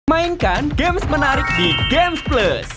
mainkan games menarik di games plus